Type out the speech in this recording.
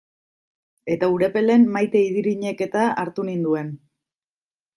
Eta Urepelen Maite Idirinek-eta hartu ninduen.